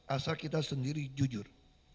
asal kita sendiri jujur